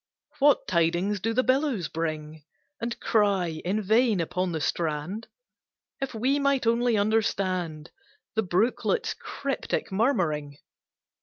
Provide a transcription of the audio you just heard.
What tidings do the billows bring And cry in vain upon the strand? If we might only understand The brooklet's cryptic murmuring!